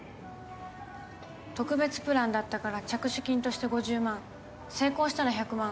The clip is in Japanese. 特別プランだったから着手金として５０万成功したら１００万